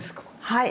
はい。